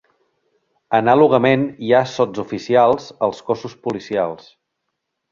Anàlogament hi ha sotsoficials als cossos policials.